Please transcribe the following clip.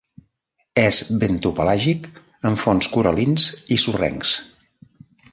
És bentopelàgic en fons coral·lins i sorrencs.